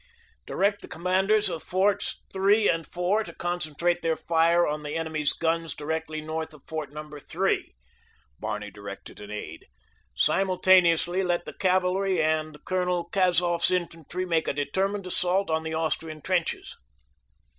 "Direct the commanders of forts three and four to concentrate their fire on the enemy's guns directly north of Fort No. 3," Barney directed an aide. "Simultaneously let the cavalry and Colonel Kazov's infantry make a determined assault on the Austrian trenches."